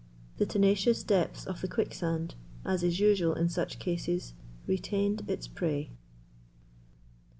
The tenacious depths of the quicksand, as is usual in such cases, retained its prey.